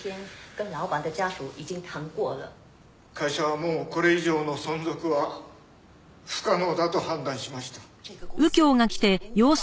会社はもうこれ以上の存続は不可能だと判断しました。